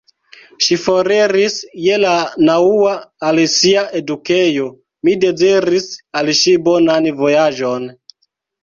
Ŝi foriris je la naŭa al sia edukejo; mi deziris al ŝi bonan vojaĝon.